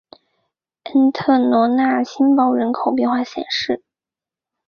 恩特罗讷新堡人口变化图示